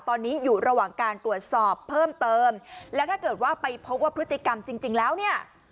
ตอนนี้อยู่ระหว่างการตรวจสอบเพิ่มเติมและถ้าเกิดว่าไปพบว่าพฤติกรรมจริงจริงแล้วเนี่ย